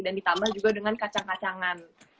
dan ditambah juga dengan kacang kacangan